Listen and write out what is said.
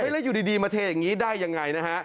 แล้วอยู่ดีมาเทอย่างนี้ได้ยังไงนะฮะ